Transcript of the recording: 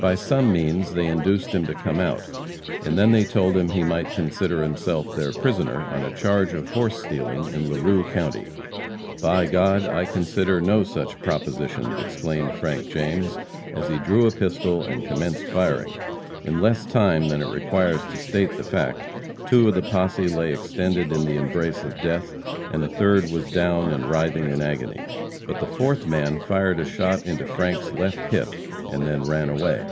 By some means they induced him to come out, and then they told him he might consider himself their prisoner on a charge of horse stealing in Larue county. "By G d! I consider no such proposition," exclaimed Frank James, as he drew a pistol and commenced firing. In less time than it requires to state the fact, two of the posse lay extended in the embrace of death, and a third was down and writhing in agony. But the fourth man fired a shot into Frank's left hip, and then ran away.